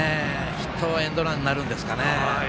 ヒットエンドランになるんですかね。